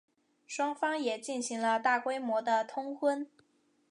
双方也进行了大规模的通婚。